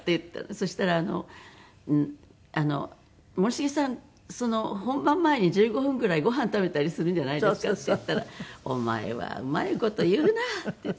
そしたらあの「森繁さん本番前に１５分ぐらいご飯食べたりするんじゃないですか？」って言ったら「お前はうまい事言うなあ」って言って。